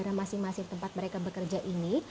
di negara masing masing tempat mereka bekerja ini